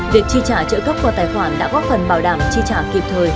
việc chi trả trợ cấp qua tài khoản đã góp phần bảo đảm chi trả kịp thời